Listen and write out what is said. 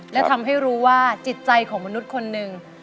และทำให้รู้ว่าจิตใจของมนุษย์คนหนึ่ง